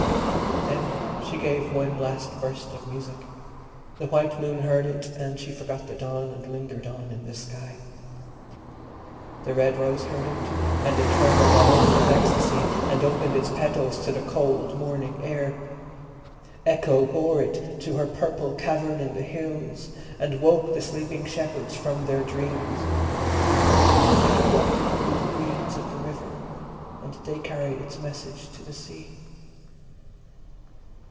Then she gave one last burst of music. The white Moon heard it, and she forgot the dawn, and lingered on in the sky. The red rose heard it, and it trembled all over with ecstasy, and opened its petals to the cold morning air. Echo bore it to her purple cavern in the hills, and woke the sleeping shepherds from their dreams. It floated through the reeds of the river, and they carried its message to the sea.